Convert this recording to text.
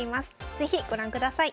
是非ご覧ください。